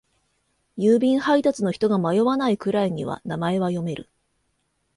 郵便配達の人が迷わないくらいには名前は読める。